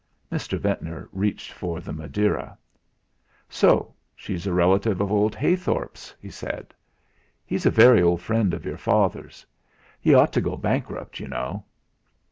Mr. Ventnor reached for the Madeira. "So she's a relative of old Heythorp's," he said. "He's a very old friend of your father's. He ought to go bankrupt, you know."